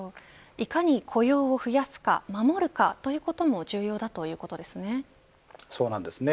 いかに雇用を増やすか守るかということもそうなんですね。